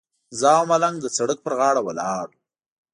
زه او ملنګ د سړک پر غاړه ولاړ وو.